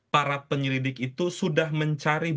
para penyelidik itu sudah mencari